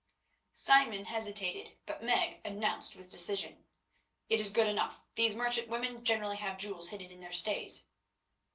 Simon hesitated, but Meg announced with decision, "It is good enough; these merchant woman generally have jewels hidden in their stays."